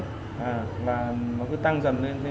à là nó cứ tăng dần lên